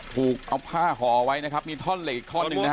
ถูกเอาผ้าห่อไว้นะครับมีท่อนเหล็กอีกท่อนหนึ่งนะฮะ